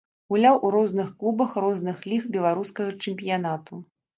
Гуляў у розных клубах розных ліг беларускага чэмпіянату.